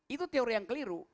itu teori yang keliru